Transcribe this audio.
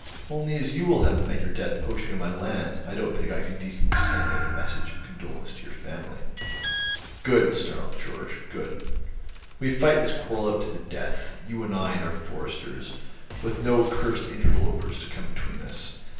Only as you will have met your death poaching on my lands I don't think I can decently send any message of condolence to your family." "Good," snarled Georg, "good. We fight this quarrel out to the death, you and I and our foresters, with no cursed interlopers to come between us.